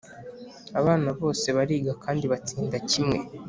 abana bose bariga kandi batsinda kimwe.